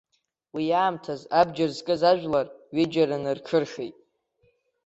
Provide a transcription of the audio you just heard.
Уи аамҭаз абџьар зкыз ажәлар ҩыџьараны рҽыршеит.